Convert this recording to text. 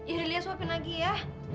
iduh liat suapin lagi ya